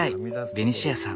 ベニシアさん